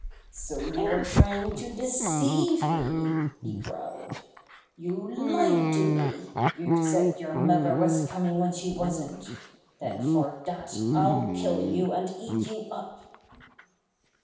"So you were trying to deceive me!" he growled. "You lied to me! You said your mother was coming when she wasn't. Then for that I'll kill you and eat you up!"